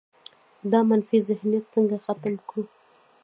دا منفي ذهنیت څنګه ختم کړو؟